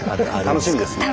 楽しみですね。